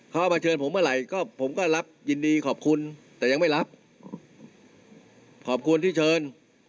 เขาเอามาเชิญผมเมื่อไหร่ก็ผมก็รับยินดีขอบคุณแต่ยังไม่รับขอบคุณที่เชิญ